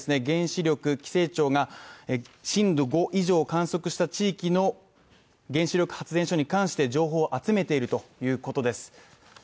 原子力規制庁が震度５以上を観測した地域の原子力発電所に関して情報を集めているということです。